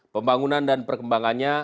pembangunan dan perkembangannya